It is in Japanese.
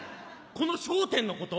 この『笑点』のこと？